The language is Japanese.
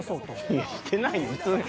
いやしてないよ普通に。